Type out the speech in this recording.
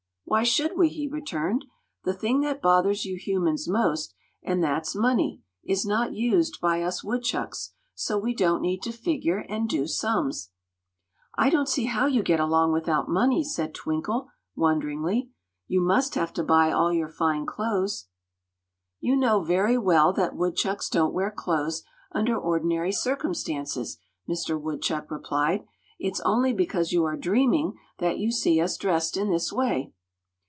"Why should we?" he returned. "The thing that bothers you humans most, and that's money, is not used by us woodchucks. So we don't need to figure and do sums." "I don't see how you get along without money," said Twinkle, wonderingly. "You must have to buy all your fine clothes." "You know very well that woodchucks don't wear clothes, under ordinary circumstances," Mister Woodchuck replied. "It's only because you are dreaming that you see us dressed in this way."